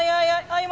はい。